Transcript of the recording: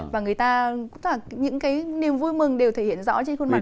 và người ta cũng có những cái niềm vui mừng đều thể hiện rõ trên khuôn mặt của người ta